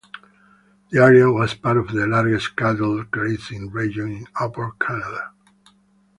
The area was part of the largest cattle grazing region in Upper Canada.